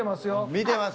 見てます。